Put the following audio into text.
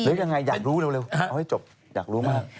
ยังไงอยากรู้เร็วเอาให้จบอยากรู้มาก